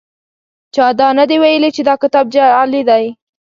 چا دا نه دي ویلي چې دا کتاب جعلي دی.